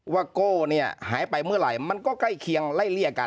โก้เนี่ยหายไปเมื่อไหร่มันก็ใกล้เคียงไล่เลี่ยกัน